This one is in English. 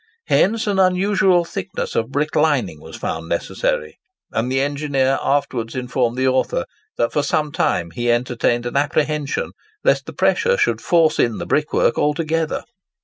Hence an unusual thickness of brick lining was found necessary; and the engineer afterwards informed the author that for some time he entertained an apprehension lest the pressure should force in the brickwork altogether.